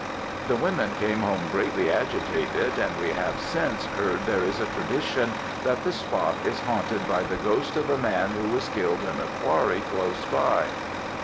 "The women came home greatly agitated; and we have since heard there is a tradition that the spot is haunted by the ghost of a man who was killed in a quarry close by."